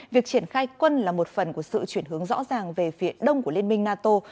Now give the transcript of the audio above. việc triển khai quân là một phần của sự chuyển hướng rõ ràng về phía đông của liên minh nato